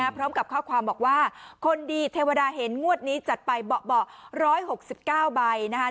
พร้อมกับข้อความบอกว่าคนดีเทวดาเห็นงวดนี้จัดไปเบาะ๑๖๙ใบนะคะ